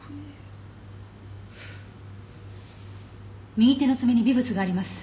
右手の爪に微物があります。